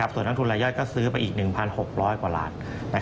ส่วนนักทุนรายย่อยก็ซื้อไปอีก๑๖๐๐กว่าล้าน